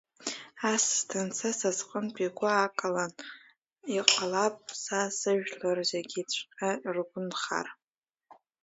Асас данца са сҟынтә игәы акалан, иҟалап са сыжәлар зегьыҵәҟьа ргәы нхар!